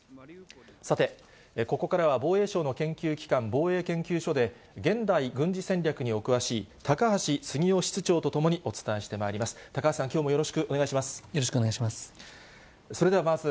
さて、ここからは防衛省の研究機関、防衛研究所で、現代軍事戦略にお詳しい高橋杉雄室長と共にお伝えしてまいります。